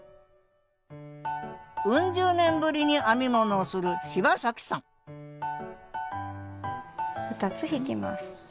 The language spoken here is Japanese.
ウン十年ぶりに編み物をする芝さん２つ引きます。